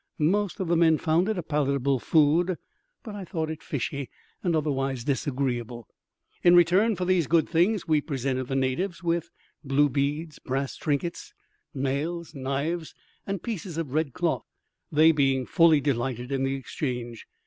Most of the men found it a palatable food, but I thought it fishy and otherwise disagreeable. In return for these good things we presented the natives with blue beads, brass trinkets, nails, knives, and pieces of red cloth, they being fully delighted in the exchange.